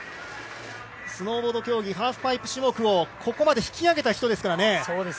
スノーボード競技ハーフパイプ種目をここまで引き上げた人ですからね。